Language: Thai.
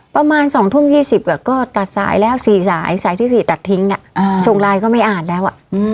ประมาณ๒ทุ่ม๒๐ก็ตัดสายแล้ว๔สายสายที่๔ตัดทิ้งส่งไลน์ก็ไม่อ่านแล้ว